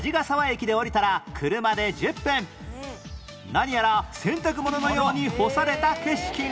何やら洗濯物のように干された景色が